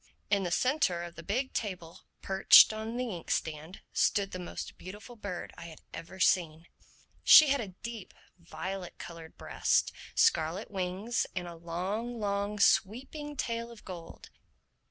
In the centre of the big table, perched on the ink stand, stood the most beautiful bird I have ever seen. She had a deep violet colored breast, scarlet wings and a long, long sweeping tail of gold.